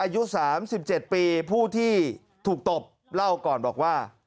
อายุ๓๗ปีผู้ที่ถูกตบเล่าก่อนบอกว่า